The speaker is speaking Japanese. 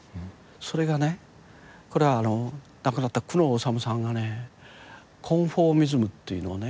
それがねこれはあの亡くなった久野収さんがねコンフォーミズムっていうのをね